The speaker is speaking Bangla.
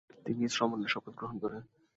তিনি শ্রমণের শপথ গ্রহণ করেন।